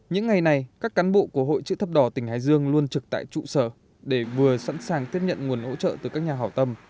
những ngày này các cán bộ của hội chữ thấp đỏ tỉnh hải dương luôn trực tại trụ sở để vừa sẵn sàng tiếp nhận nguồn hỗ trợ từ các nhà hảo tâm